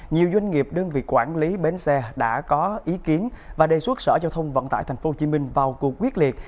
nhiều doanh nghiệp đơn vị quản lý bến xe đã có ý kiến và đề xuất sở giao thông vận tải tp hcm vào cuộc quyết liệt